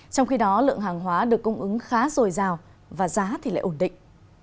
trong khi đó lượng hàng hóa được cung ứng khá dồi dào và giá thì lại ổn định